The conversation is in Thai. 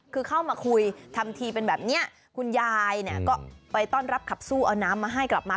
คือเข้ามาคุยทำทีเป็นแบบนี้คุณยายเนี่ยก็ไปต้อนรับขับสู้เอาน้ำมาให้กลับมา